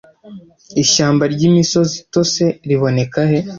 Ishyamba ryimisozi itose riboneka he